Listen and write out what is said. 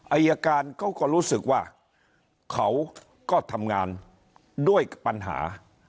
อายการเขาก็รู้สึกว่าเขาก็ทำงานด้วยปัญหา